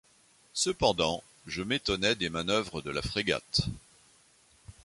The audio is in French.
Cependant, je m’étonnais des manœuvres de la frégate.